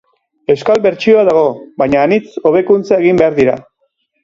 Euskal bertsioa dago, baina anitz hobekuntza egin behar dira.